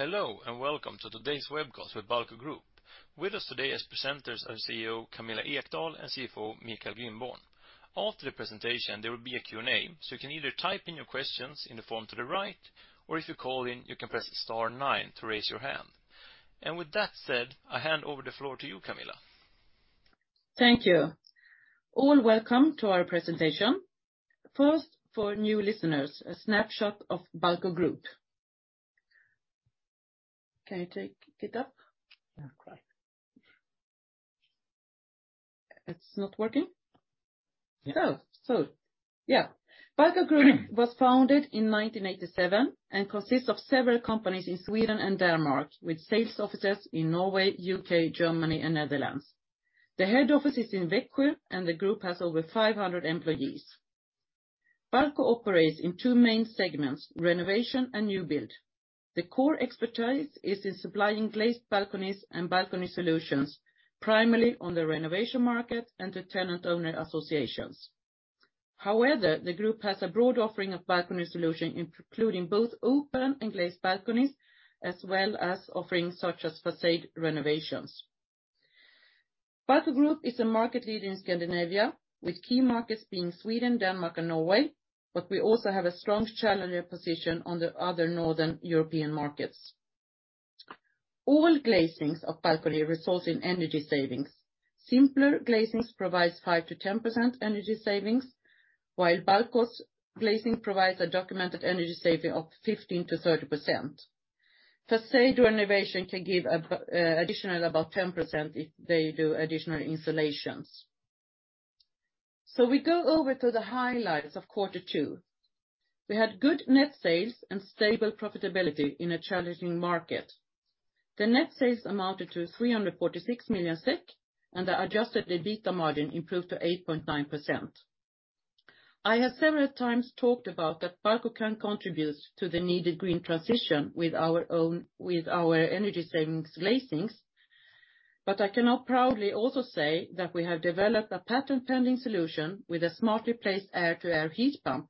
Hello, welcome to today's webcast with Balco Group. With us today as presenters and CEO, Camilla Ekdahl, and CFO, Michael Grindborn. After the presentation, there will be a Q&A, you can either type in your questions in the form to the right, or if you call in, you can press star nine to raise your hand. With that said, I hand over the floor to you, Camilla. Thank you. All welcome to our presentation. First, for new listeners, a snapshot of Balco Group. Can you take it up? Yeah, right. It's not working? Yeah. Oh, yeah. Balco Group was founded in 1987, and consists of several companies in Sweden and Denmark, with sales offices in Norway, UK, Germany, and Netherlands. The head office is in Växjö, and the group has over 500 employees. Balco operates in two main segments: renovation and new build. The core expertise is in supplying glazed balconies and balcony solutions, primarily on the renovation market and the tenant-owner associations. However, the group has a broad offering of balcony solution, including both open and glazed balconies, as well as offerings such as facade renovations. Balco Group is a market leader in Scandinavia, with key markets being Sweden, Denmark, and Norway. We also have a strong challenger position on the other Northern European markets. All glazings of balcony results in energy savings. Simpler glazings provides 5%-10% energy savings, while Balco's glazing provides a documented energy saving of 15%-30%. Facade renovation can give additional about 10% if they do additional installations. We go over to the highlights of quarter two. We had good net sales and stable profitability in a challenging market. The net sales amounted to 346 million SEK, and the adjusted EBITDA margin improved to 8.9%. I have several times talked about that Balco can contribute to the needed green transition with our energy savings glazings, but I can now proudly also say that we have developed a patent-pending solution with a smartly placed air-to-air heat pump,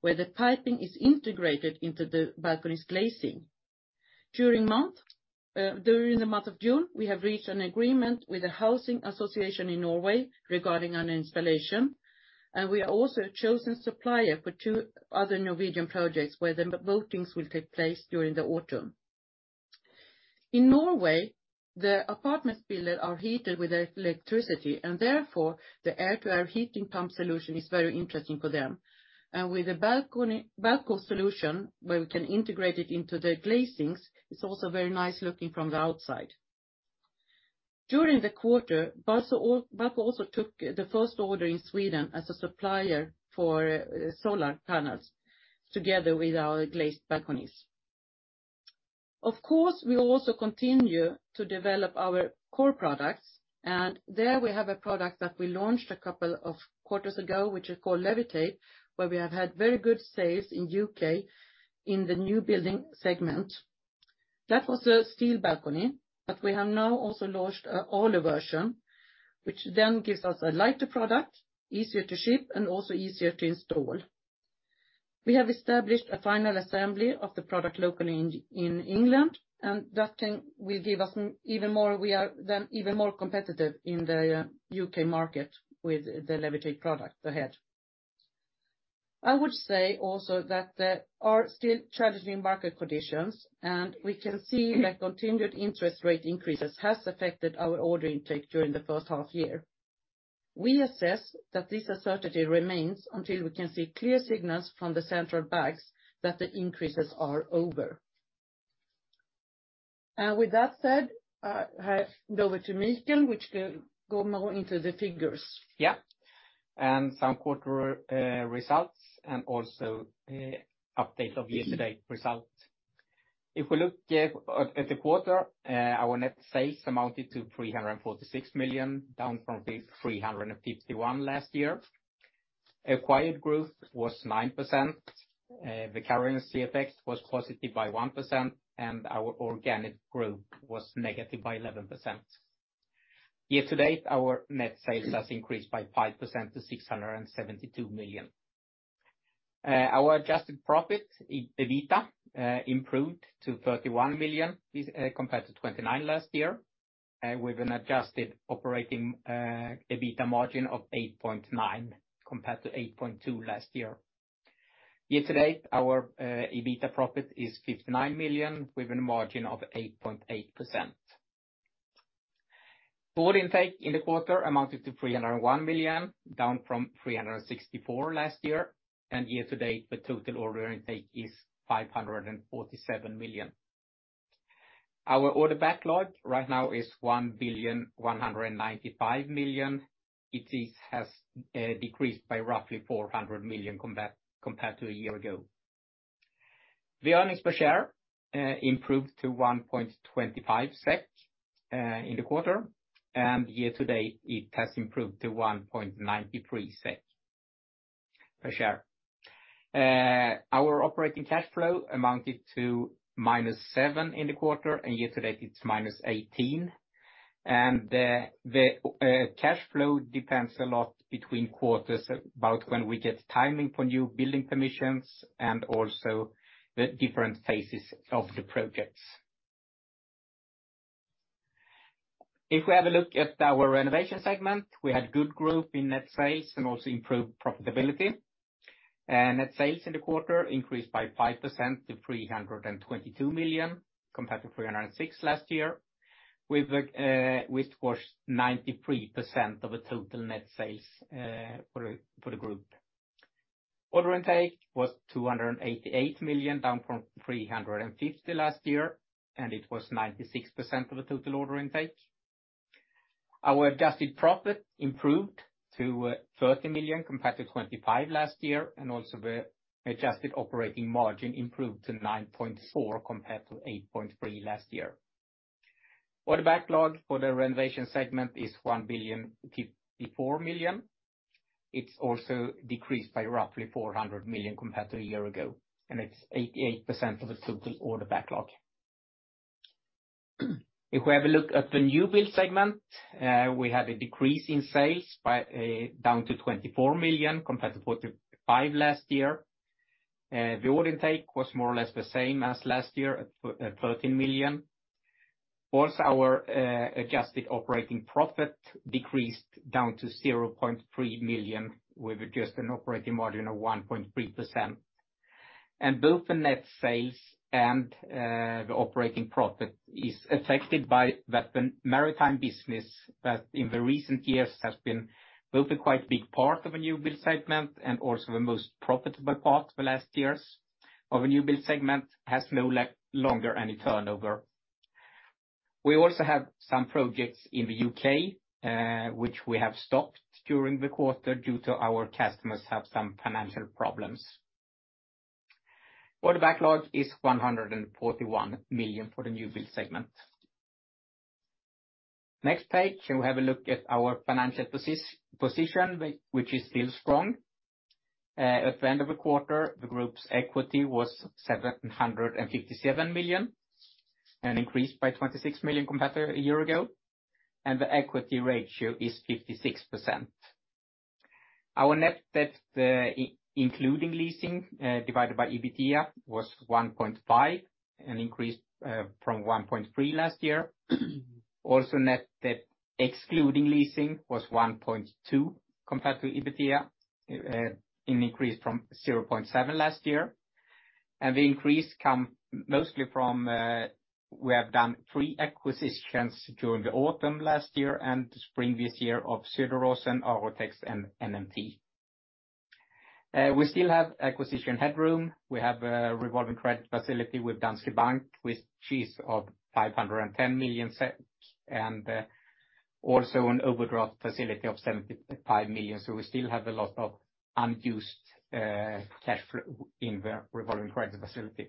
where the piping is integrated into the balcony's glazing. During the month of June, we have reached an agreement with a housing association in Norway regarding an installation, and we are also a chosen supplier for two other Norwegian projects, where the votings will take place during the autumn. In Norway, the apartment buildings are heated with electricity, and therefore, the air-to-air heat pump solution is very interesting for them. With the balcony, Balco solution, where we can integrate it into the glazings, it's also very nice looking from the outside. During the quarter, Balco also took the first order in Sweden as a supplier for solar panels together with our glazed balconies. Of course, we will also continue to develop our core products. There we have a product that we launched a couple of quarters ago, which is called Levitate, where we have had very good sales in the U.K. in the new building segment. That was a steel balcony. We have now also launched an older version, which gives us a lighter product, easier to ship, and also easier to install. We have established a final assembly of the product locally in England, that will give us even more. We are even more competitive in the U.K. market with the Levitate product ahead. I would say also that there are still challenging market conditions. We can see that continued interest rate increases has affected our order intake during the first half year. We assess that this uncertainty remains until we can see clear signals from the central banks that the increases are over. With that said, I hand over to Michael, which will go more into the figures. Yeah, some quarter results, and also update of year-to-date result. If we look at the quarter, our net sales amounted to 346 million, down from 351 last year. Acquired growth was 9%, the currency effect was positive by 1%, and our organic growth was negative by 11%. Year-to-date, our net sales has increased by 5% to 672 million. Our adjusted profit, the EBITDA, improved to 31 million, compared to 29 last year, with an adjusted operating EBITDA margin of 8.9%, compared to 8.2% last year. Year-to-date, our EBITDA profit is 59 million, with a margin of 8.8%. Order intake in the quarter amounted to 301 million, down from 364 million last year. Year to date, the total order intake is 547 million. Our order backlog right now is 1,195 million. It has decreased by roughly 400 million compared to a year ago. The earnings per share improved to 1.25 SEK in the quarter. Year to date, it has improved to 1.93 SEK per share. Our operating cash flow amounted to minus 7 in the quarter, year to date, it's minus 18. The cash flow depends a lot between quarters, about when we get timing for new building permissions and also the different phases of the projects. If we have a look at our renovation segment, we had good growth in net sales and also improved profitability. Net sales in the quarter increased by 5% to 322 million, compared to 306 million last year, which was 93% of the total net sales for the group. Order intake was 288 million, down from 350 million last year, and it was 96% of the total order intake. Our adjusted profit improved to 30 million, compared to 25 million last year, and also the adjusted operating margin improved to 9.4%, compared to 8.3% last year. Order backlog for the renovation segment is 1,054 million. It's also decreased by roughly 400 million compared to a year ago, and it's 88% of the total order backlog. If we have a look at the new build segment, we had a decrease in sales by down to 24 million compared to 45 million last year. The order intake was more or less the same as last year, at 13 million. Our adjusted operating profit decreased down to 0.3 million, with just an operating margin of 1.3%. Both the net sales and the operating profit is affected by that the maritime business, that in the recent years has been both a quite big part of a new build segment, and also the most profitable part the last years of a new build segment, has no longer any turnover. We also have some projects in the UK, which we have stopped during the quarter due to our customers have some financial problems. Order backlog is 141 million for the new build segment. Next page, we have a look at our financial position, which is still strong. At the end of the quarter, the group's equity was 757 million, and increased by 26 million compared to a year ago, and the equity ratio is 56%. Our net debt, including leasing, divided by EBITDA, was 1.5, an increase from 1.3 last year. Net debt, excluding leasing, was 1.2 compared to EBITDA, an increase from 0.7 last year. The increase come mostly from, we have done three acquisitions during the autumn last year and spring this year of Söderåsen, ART-TECH, and NMT. We still have acquisition headroom. We have a revolving credit facility with Danske Bank, which is of 510 million, and also an overdraft facility of 75 million. We still have a lot of unused cash flow in the revolving credit facility.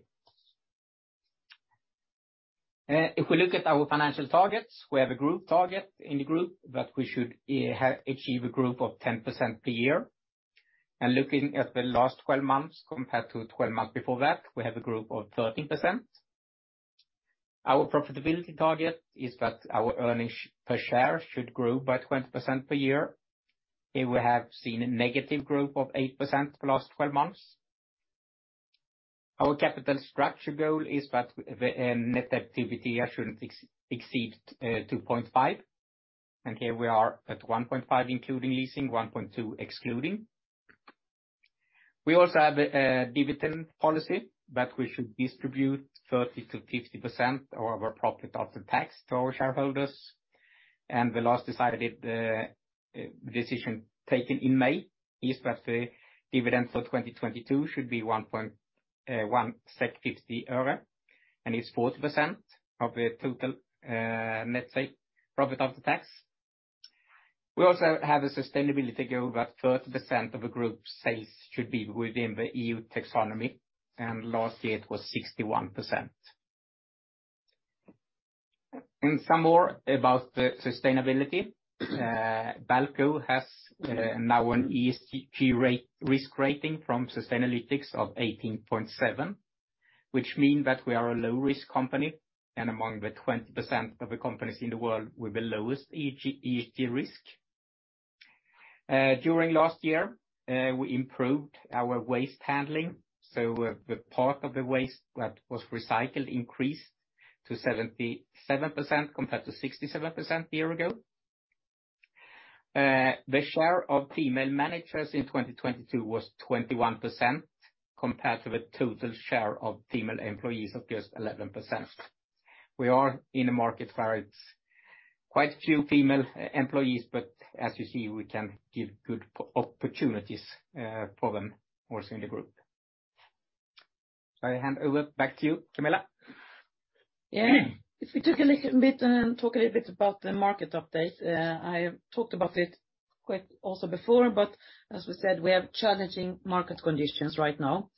If we look at our financial targets, we have a group target in the group, that we should have achieve a group of 10% per year. Looking at the last 12 months compared to 12 months before that, we have a group of 13%. Our profitability target is that our earnings per share should grow by 20% per year. Here, we have seen a negative growth of 8% for the last 12 months. Our capital structure goal is that the net activity shouldn't exceed 2.5, and here we are at 1.5, including leasing, 1.2, excluding. We also have a dividend policy that we should distribute 30%-50% of our profit after tax to our shareholders. The last decided decision taken in May, is that the dividend for 2022 should be 1.50 SEK earner, and it's 40% of the total profit after tax. We also have a sustainability goal that 30% of the group's sales should be within the EU taxonomy, and last year it was 61%. Some more about the sustainability. Balco has now an ESG risk rating from Sustainalytics of 18.7, which mean that we are a low-risk company, and among the 20% of the companies in the world with the lowest ESG risk. During last year, we improved our waste handling, so the part of the waste that was recycled increased to 77%, compared to 67% a year ago. The share of female managers in 2022 was 21%, compared to the total share of female employees of just 11%. We are in a market where it's quite few female employees, but as you see, we can give good opportunities for them, also in the group. I hand over back to you, Camilla. Yeah. If we took a little bit, talk a little bit about the market update. I have talked about it quite also before, but as we said, we have challenging market conditions right now.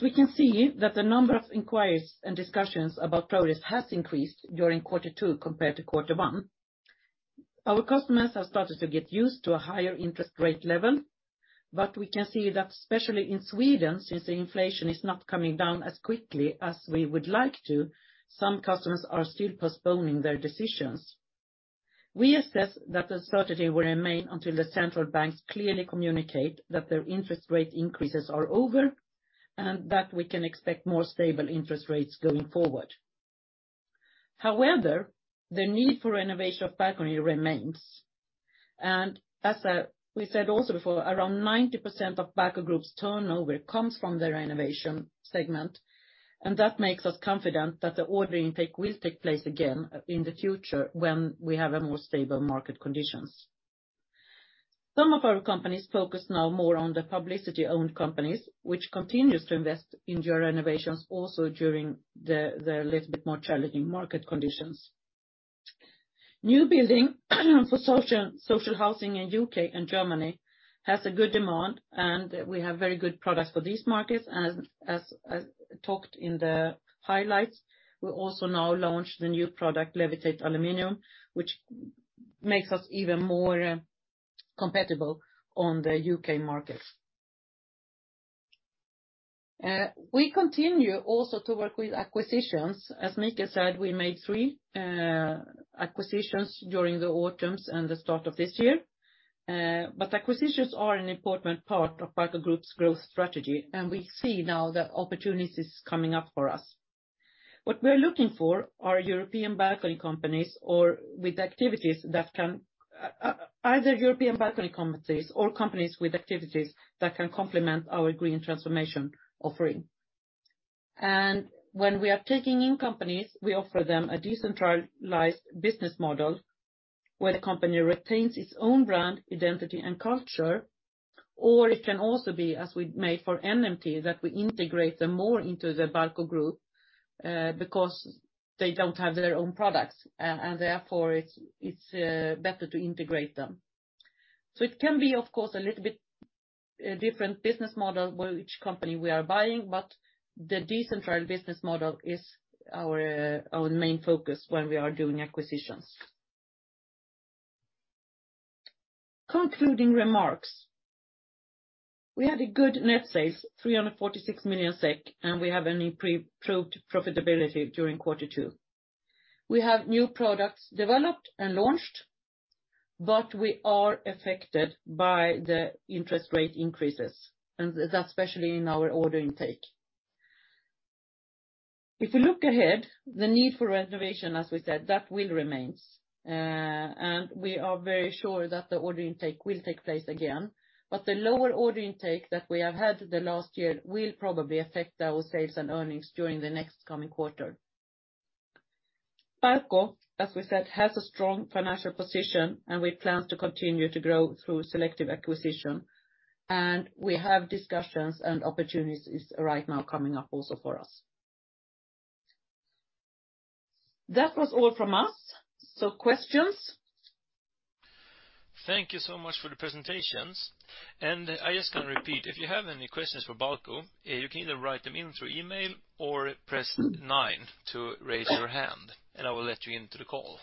We can see that the number of inquiries and discussions about progress has increased during Q2 compared to Q1. Our customers have started to get used to a higher interest rate level, but we can see that, especially in Sweden, since the inflation is not coming down as quickly as we would like to, some customers are still postponing their decisions. We assess that the strategy will remain until the central banks clearly communicate that their interest rate increases are over, and that we can expect more stable interest rates going forward. However, the need for renovation of balcony remains, and as we said also before, around 90% of Balco Group's turnover comes from the renovation segment, and that makes us confident that the order intake will take place again in the future when we have a more stable market conditions. Some of our companies focus now more on the publicity-owned companies, which continues to invest in your renovations also during the little bit more challenging market conditions. New building for social housing in UK and Germany has a good demand, and we have very good products for these markets. As talked in the highlights, we also now launched the new product, Levitate Aluminium, which makes us even more compatible on the UK market. We continue also to work with acquisitions. As Mika said, we made 3 acquisitions during the autumns and the start of this year. Acquisitions are an important part of Balco Group's growth strategy, and we see now that opportunities coming up for us. What we're looking for are European balcony companies or with activities that can either European balcony companies or companies with activities that can complement our green transformation offering. When we are taking in companies, we offer them a decentralized business model, where the company retains its own brand, identity, and culture, or it can also be, as we made for NMT, that we integrate them more into the Balco Group, because they don't have their own products, and therefore, it's better to integrate them. It can be, of course, a little bit different business model with each company we are buying, but the decentralized business model is our main focus when we are doing acquisitions. Concluding remarks. We had a good net sales, 346 million SEK, and we have an improved profitability during quarter two. We have new products developed and launched, but we are affected by the interest rate increases, and especially in our order intake. If you look ahead, the need for renovation, as we said, that will remains, and we are very sure that the order intake will take place again. The lower order intake that we have had the last year will probably affect our sales and earnings during the next coming quarter. Balco, as we said, has a strong financial position, and we plan to continue to grow through selective acquisition, and we have discussions and opportunities right now coming up also for us. That was all from us. Questions? Thank you so much for the presentations. I just want to repeat, if you have any questions for Balco, you can either write them in through email or press nine to raise your hand, and I will let you into the call.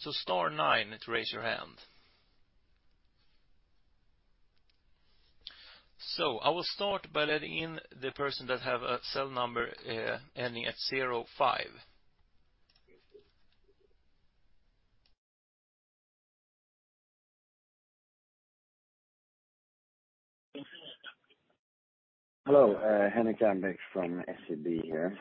Star Nine to raise your hand. I will start by letting in the person that have a cell number, ending at 05. Hello, Henrik Jambek from SEB here.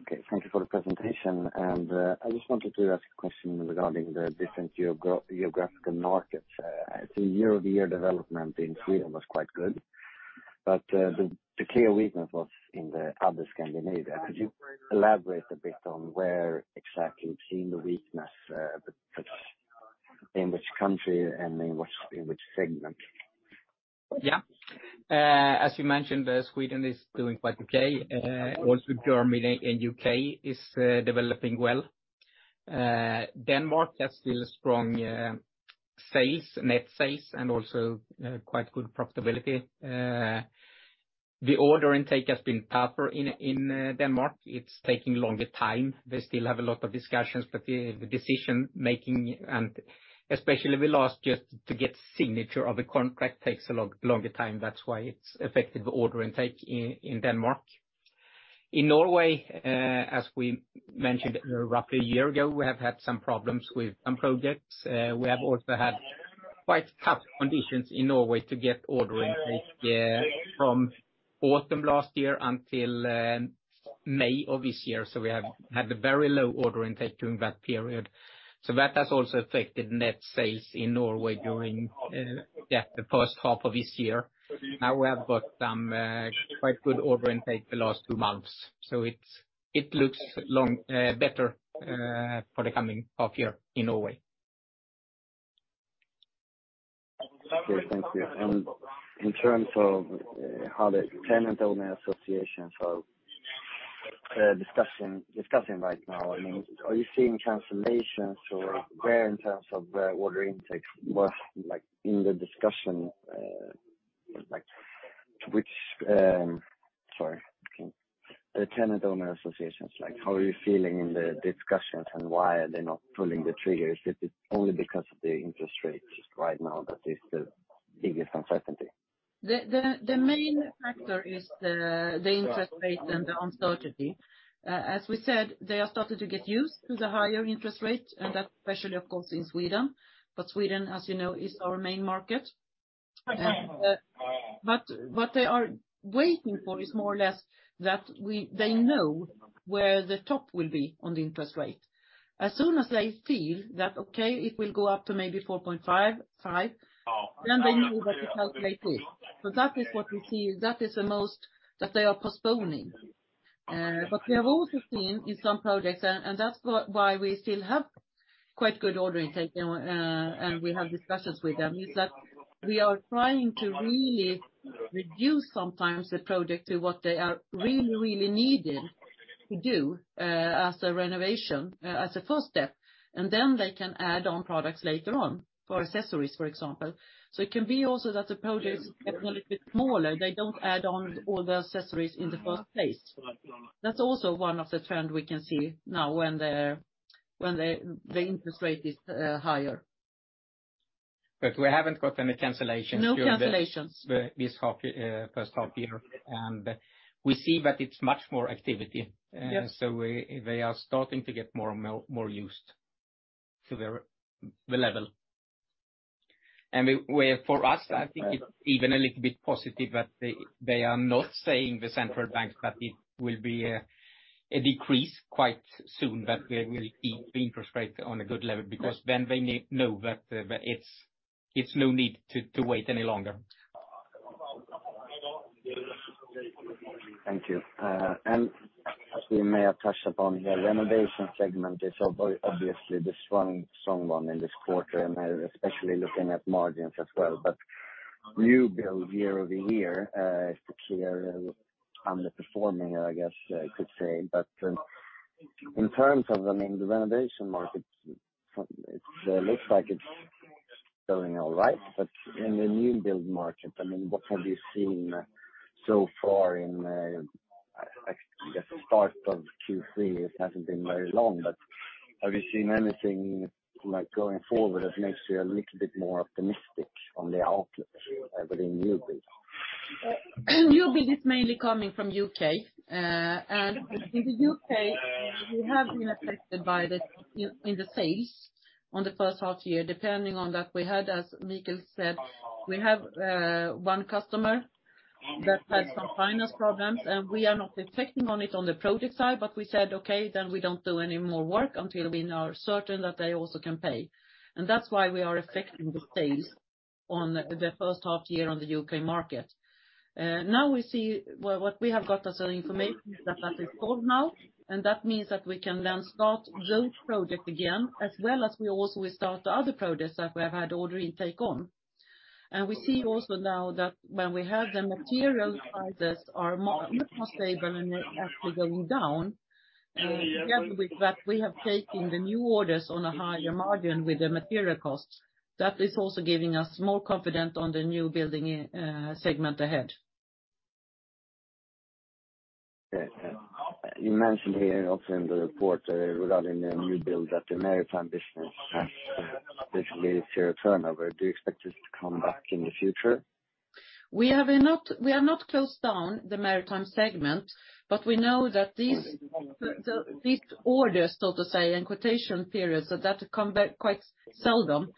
Okay, thank you for the presentation, and I just wanted to ask a question regarding the different geographical markets. The year-over-year development in Sweden was quite good. The clear weakness was in the other Scandinavia. Could you elaborate a bit on where exactly you've seen the weakness, in which country and in which segment? Yeah. As you mentioned, Sweden is doing quite okay. Also Germany and UK is developing well. Denmark has still strong sales, net sales, and also quite good profitability. The order intake has been tougher in Denmark. It's taking longer time. They still have a lot of discussions, the decision-making, and especially the last, just to get signature of a contract, takes a longer time. That's why it's affected the order intake in Denmark. In Norway, as we mentioned, roughly a year ago, we have had some problems with some projects. We have also had quite tough conditions in Norway to get order intake from autumn last year until May of this year. We have had a very low order intake during that period. That has also affected net sales in Norway during the first half of this year. We have got some quite good order intake the last 2 months, so it looks better for the coming half year in Norway. Okay, thank you. In terms of how the tenant-owner association, discussing right now, I mean, are you seeing translations or where in terms of the order intakes, was like in the discussion, like which. Sorry. The tenant-owner associations, like, how are you feeling in the discussions and why are they not pulling the triggers? Is it only because of the interest rates right now that is the biggest uncertainty? The main factor is the interest rate and the uncertainty. As we said, they have started to get used to the higher interest rate, and that especially, of course, in Sweden. Sweden, as you know, is our main market. What they are waiting for is more or less that they know where the top will be on the interest rate. As soon as they feel that, okay, it will go up to maybe 4.5, then they know what to calculate with. That is what we see, that is the most that they are postponing. We have also seen in some projects, and that's why we still have quite good order intake, and we have discussions with them, is that we are trying to really reduce sometimes the project to what they are really needing to do as a renovation as a first step, and then they can add on products later on, for accessories, for example. It can be also that the project is a little bit smaller, they don't add on all the accessories in the first place. That's also one of the trend we can see now when the interest rate is higher. We haven't got any cancellations. No cancellations. This half year, first half year. We see that it's much more activity. Yes. They are starting to get more used to the level. We, well, for us, I think it's even a little bit positive that they are not saying, the central bank, that it will be a decrease quite soon, but we will keep the interest rate on a good level, because then they know that it's no need to wait any longer. Thank you. As we may have touched upon, the renovation segment is obviously the strong one in this quarter, and especially looking at margins as well. New build year-over-year is clear underperforming, I guess, I could say. In terms of the, I mean, the renovation market, it looks like it's going all right, but in the new build market, I mean, what have you seen so far in, I guess, the start of Q3? It hasn't been very long, but have you seen anything, like, going forward that makes you a little bit more optimistic on the outlook within new build? New build is mainly coming from U.K., and in the U.K., we have been affected by the, in the sales on the first half year, depending on that we had, as Michael said, we have 1 customer that had some finance problems, and we are not detecting on it on the project side, but we said, "Okay, then we don't do any more work until we are certain that they also can pay." That's why we are affecting the sales on the first half year on the U.K. market. Now we see, well, what we have got as an information is that that is over now. That means that we can then start those projects again, as well as we also will start the other projects that we have had order intake on. We see also now that when we have the material prices are much more stable and actually going down, together with that, we have taken the new orders on a higher margin with the material costs. That is also giving us more confidence on the new building segment ahead. Yeah. You mentioned here also in the report regarding the new build, that the maritime business has basically zero turnover. Do you expect it to come back in the future? We have not closed down the maritime segment. We know that these orders, so to say, and quotation periods, that come back quite seldom.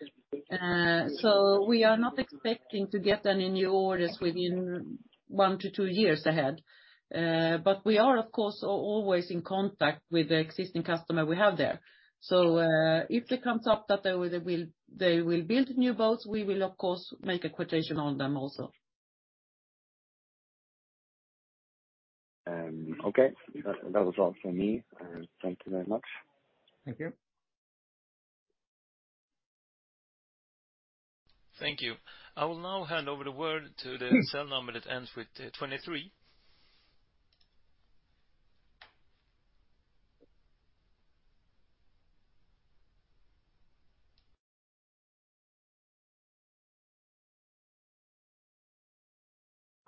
We are not expecting to get any new orders within 1-2 years ahead. We are, of course, always in contact with the existing customer we have there. If it comes up that they will build new boats, we will of course, make a quotation on them also. Okay. That was all for me. Thank you very much. Thank you. Thank you. I will now hand over the word to the cell number that ends with 23.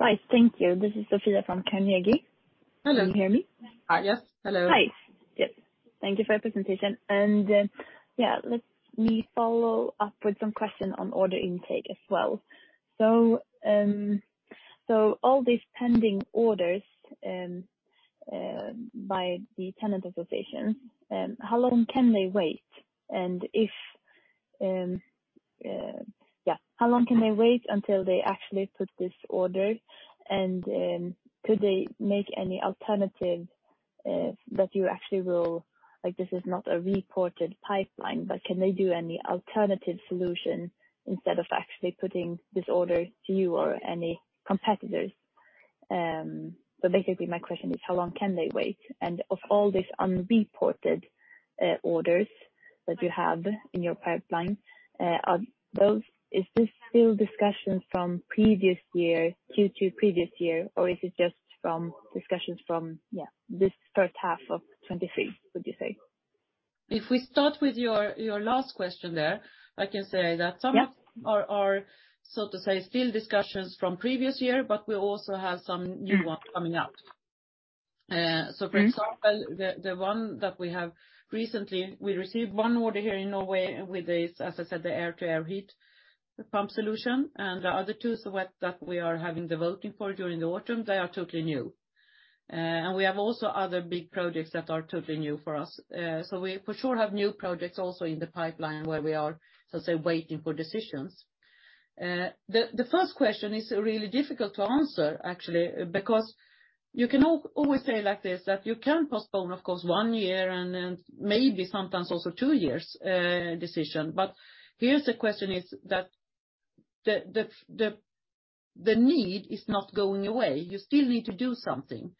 Hi, thank you. This is Sofia from Carnegie. Hello. Can you hear me? Yes. Hello. Hi. Yes. Thank you for your presentation. Yeah, let me follow up with some questions on order intake as well. All these pending orders by the tenant association, how long can they wait? If... Yeah, how long can they wait until they actually put this order, and could they make any alternative that you actually like, this is not a reported pipeline, but can they do any alternative solution instead of actually putting this order to you or any competitors? Basically, my question is: how long can they wait? Of all these unreported orders that you have in your pipeline, is this still discussions from previous year, Q2 previous year, or is it just from discussions from, this first half of 2023, would you say? If we start with your last question there, I can say that. Yeah... are, so to say, still discussions from previous year, but we also have some new ones coming out. So for example, the one that we have recently, we received 1 order here in Norway with this, as I said, the air-to-air heat pump solution, and the other 2 that we are having developing for during the autumn, they are totally new. And we have also other big projects that are totally new for us. So we for sure have new projects also in the pipeline where we are, so say, waiting for decisions. The, the first question is really difficult to answer, actually, because you can always say it like this, that you can postpone, of course, 1 year and then maybe sometimes also 2 years, decision. Here the question is that the, the need is not going away. You still need to do something,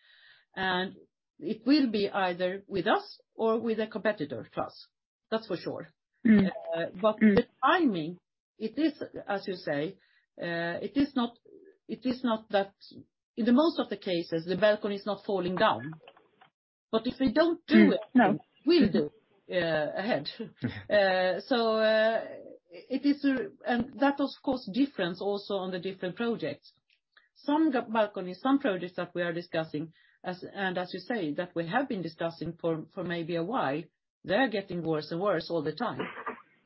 and it will be either with us or with a competitor to us, that's for sure. The timing, it is, as you say, it is not. In the most of the cases, the balcony is not falling down. If we don't do it. No. We'll do ahead. That of course, difference also on the different projects. Some balconies, some projects that we are discussing, as, and as you say, that we have been discussing for maybe a while, they're getting worse and worse all the time.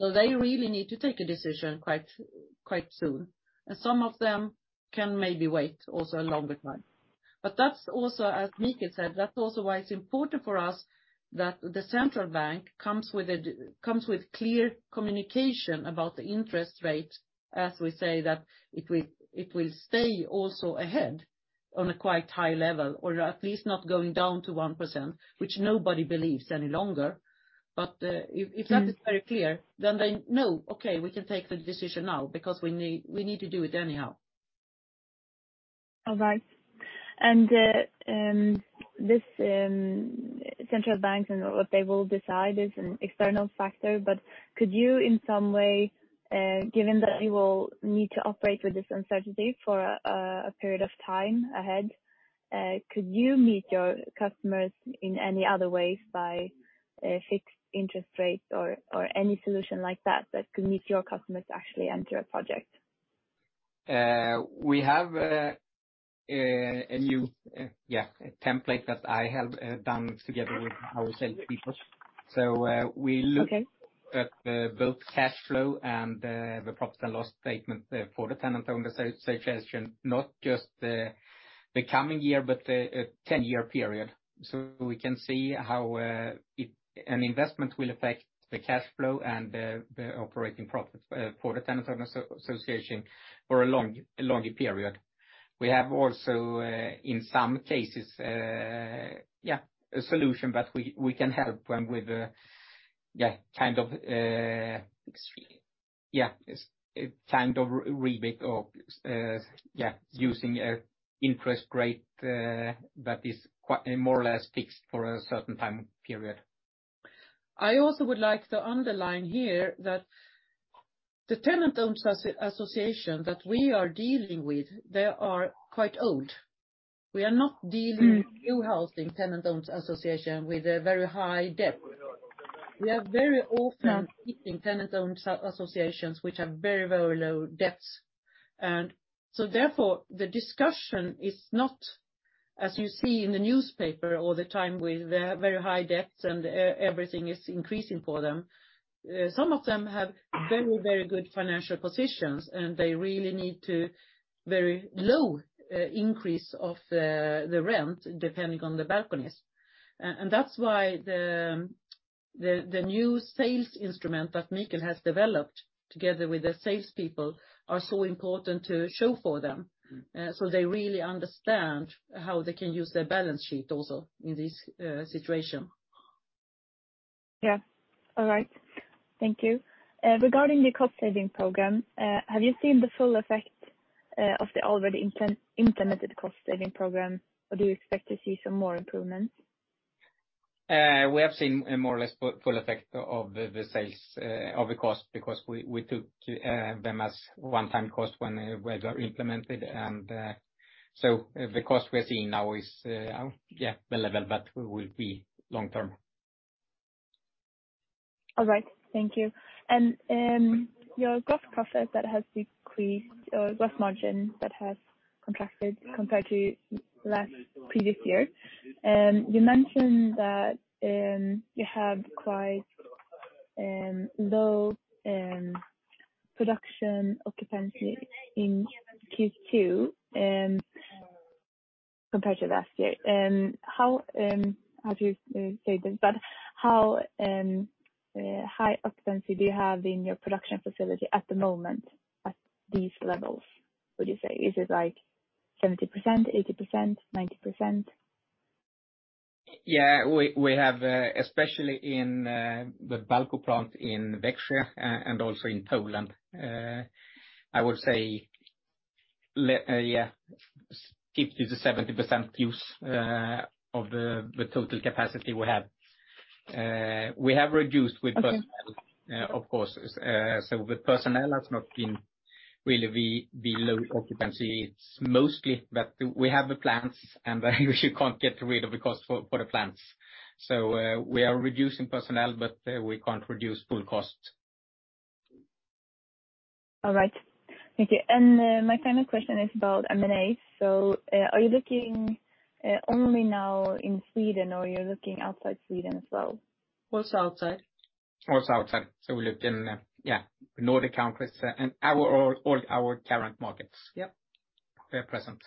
They really need to take a decision quite soon, and some of them can maybe wait also a longer time. That's also, as Michael said, that's also why it's important for us that the central bank comes with clear communication about the interest rate, as we say, that it will stay also ahead on a quite high level, or at least not going down to 1%, which nobody believes any longer. if that is very clear, then they know, "Okay, we can take the decision now, because we need to do it anyhow. All right. This central bank and what they will decide is an external factor, could you, in some way, given that you will need to operate with this uncertainty for a period of time ahead, could you meet your customers in any other ways by fixed interest rates or any solution like that could meet your customers to actually enter a project? We have a new, template that I have done together with our sales people. Okay... at both cash flow and the profits and loss statement for the tenant owner, suggestion, not just the coming year, but a 10-year period. We can see how an investment will affect the cash flow and the operating profits for the tenant-owner association for a longer period. We have also in some cases a solution that we can help them with, kind of rebate or, using an interest rate that is quite, more or less fixed for a certain time period. I also would like to underline here that the tenant-owner association that we are dealing with, they are quite old.... with new housing tenant-owner association with a very high debt. We are very often dealing tenant-owner associations which have very, very low debts. Therefore, the discussion is not, as you see in the newspaper all the time, with the very high debts and everything is increasing for them. Some of them have very, very good financial positions, and they really need to very low increase of the rent, depending on the balconies. That's why the new sales instrument that Michael has developed together with the salespeople are so important to show for them. They really understand how they can use their balance sheet also in this situation. All right, thank you. Regarding the cost-saving program, have you seen the full effect of the already implemented cost-saving program, or do you expect to see some more improvements? We have seen a more or less full effect of the sales of the cost, because we took them as one-time cost when when they were implemented. The cost we're seeing now is yeah, the level that we will be long term. All right, thank you. Your gross profit that has decreased, or gross margin that has contracted compared to last, previous year, you mentioned that, you have quite low production occupancy in Q2, compared to last year. How do you say this? How high occupancy do you have in your production facility at the moment, at these levels, would you say? Is it, like, 70%, 80%, 90%? Yeah, we have especially in the Balco plant in Växjö, and also in Poland, I would say, yeah, 50%-70% use of the total capacity we have. We have reduced. Okay... personnel, of course. With personnel, that's not been really below occupancy. It's mostly that we have the plants, and you usually can't get rid of the cost for the plants. We are reducing personnel, but we can't reduce full cost. All right. Thank you. My final question is about M&A. Are you looking only now in Sweden, or you're looking outside Sweden as well? Also outside. Also outside. We look in Nordic countries and all our current markets. Yep. We are present.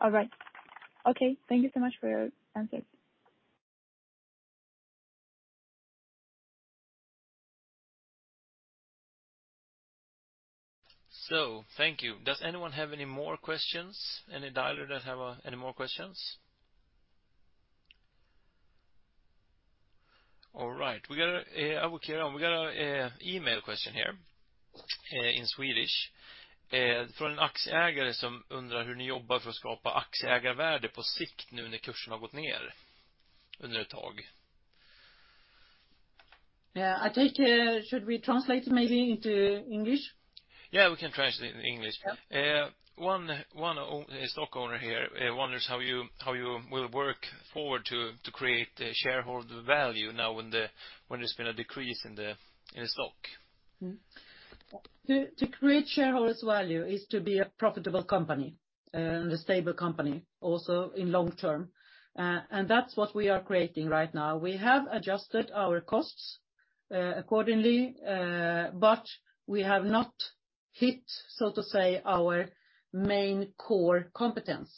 All right. Okay, thank you so much for your answers. Thank you. Does anyone have any more questions? Any dialer that have any more questions? All right, we got a, I will carry on. We got a email question here, in Swedish. From an inaudible. I think, should we translate maybe into English? Yeah, we can translate in English. Yeah. One stock owner here wonders how you will work forward to create a shareholder value now when there's been a decrease in the stock. To create shareholders value is to be a profitable company and a stable company also in long term. That's what we are creating right now. We have adjusted our costs accordingly. We have not hit, so to say, our main core competence.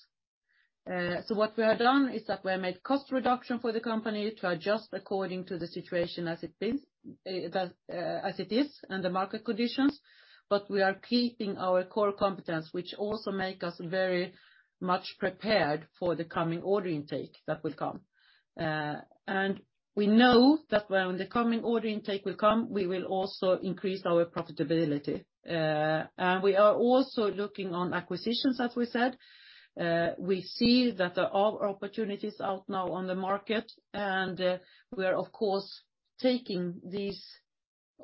What we have done is that we have made cost reduction for the company to adjust according to the situation as it been, as it is, and the market conditions. We are keeping our core competence, which also make us very much prepared for the coming order intake that will come. We know that when the coming order intake will come, we will also increase our profitability. We are also looking on acquisitions, as we said. We see that there are opportunities out now on the market, and we are of course taking these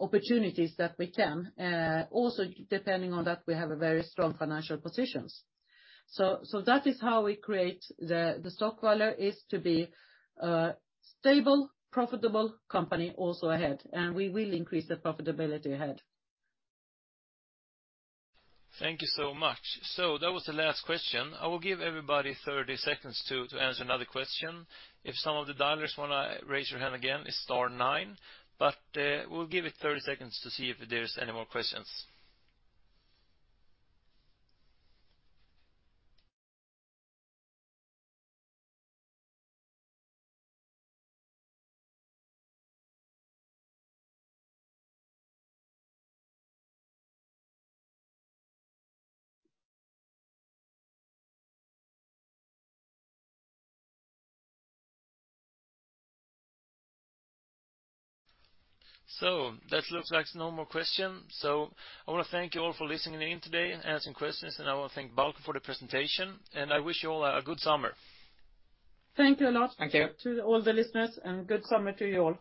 opportunities that we can, also depending on that, we have a very strong financial positions. That is how we create the stock value, is to be a stable, profitable company also ahead, and we will increase the profitability ahead. Thank you so much. That was the last question. I will give everybody 30 seconds to ask another question. If some of the dialers wanna raise your hand again, it's star nine, but we'll give it 30 seconds to see if there is any more questions. That looks like no more question. I wanna thank you all for listening in today and answering questions, and I wanna thank Balco for the presentation, and I wish you all a good summer. Thank you a lot. Thank you.... to all the listeners, and good summer to you all.